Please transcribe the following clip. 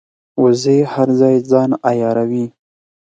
وزې هر ځای ځان عیاروي